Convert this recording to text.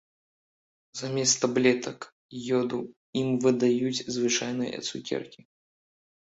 Замест таблетак ёду ім выдаюць звычайныя цукеркі.